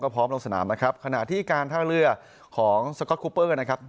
พร้อมลงสนามนะครับขณะที่การท่าเรือของสก๊อตคูเปอร์นะครับ